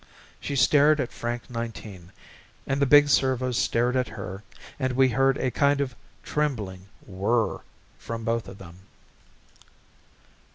She stared at Frank Nineteen and the big servo stared at her and we heard a kind of trembling whirr from both of them.